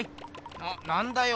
ななんだよ。